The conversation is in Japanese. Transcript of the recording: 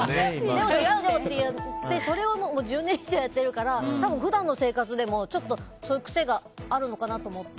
でも違うぞ！って言ってそれを１０年以上やってるから多分普段の生活でもそういう癖があるのかなと思って。